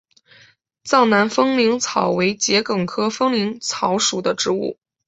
藏南风铃草为桔梗科风铃草属的植物。